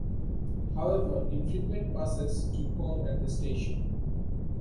However infrequent buses do call at the station.